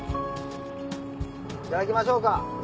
いただきましょうか！